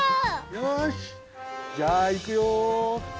よしじゃあいくよ。